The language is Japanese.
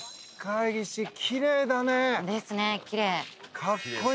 ですねきれい。